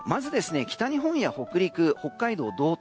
北日本や北陸北海道道東